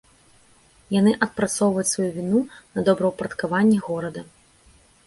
Яны адпрацоўваюць сваю віну на добраўпарадкаванні горада.